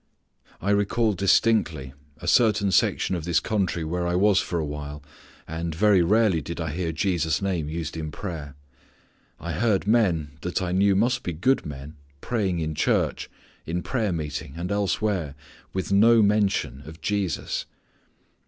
I recall distinctly a certain section of this country where I was for awhile, and very rarely did I hear Jesus' name used in prayer. I heard men, that I knew must be good men, praying in church, in prayer meeting and elsewhere with no mention of Jesus.